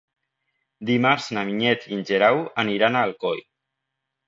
Dimarts na Vinyet i en Guerau aniran a Alcoi.